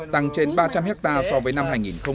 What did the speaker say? tăng trên ba trăm linh hectare so với năm hai nghìn một mươi tám